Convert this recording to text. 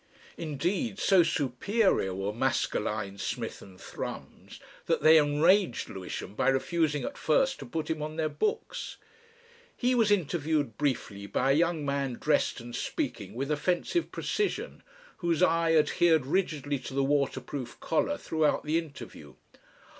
Indeed, so superior were Maskelyne, Smith, and Thrums that they enraged Lewisham by refusing at first to put him on their books. He was interviewed briefly by a young man dressed and speaking with offensive precision, whose eye adhered rigidly to the waterproof collar throughout the interview.